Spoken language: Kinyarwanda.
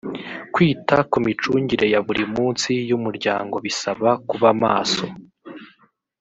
kwita ku micungire ya buri munsi y’ umuryango bisaba kubamaso.